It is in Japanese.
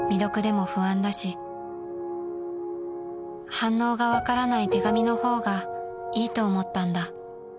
［「反応がわからない手紙の方がいいと思ったんだ」］